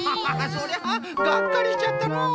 そりゃがっかりしちゃったのう。